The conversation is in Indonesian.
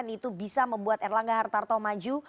itu bisa membuat erlangga hartarto maju